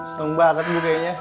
seneng banget gue kayaknya